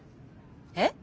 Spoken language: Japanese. えっ？